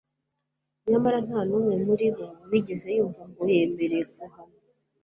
nyamara nta n umwe muri bo wigeze yumva ngo yemere guhanwa